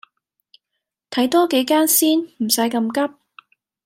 睇多幾間先，唔洗咁急